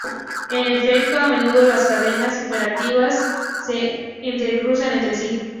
En efecto, a menudo las cadenas operativas se entrecruzan entre sí.